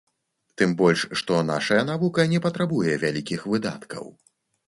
Тым больш, што нашая навука не патрабуе вялікіх выдаткаў.